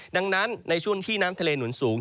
ดังนั้นในช่วงที่น้ำทะเลหนุนสูง